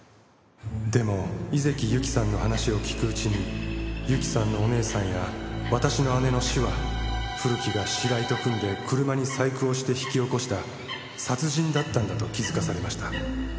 「でも井関ゆきさんの話を聞くうちにゆきさんのお姉さんや私の姉の死は古木が白井と組んで車に細工をして引き起こした殺人だったんだと気づかされました」